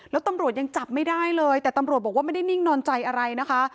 แล้วตำรวจยังจับไม่ได้เลยแต่ตำรวจบอกว่าไม่ได้นิ่งนอนใจอะไรนะคะ